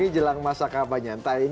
jelang masakah banyantai